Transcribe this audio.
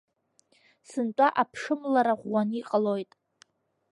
Сынтәа аԥшымлара ӷәӷәаны иҟалоит.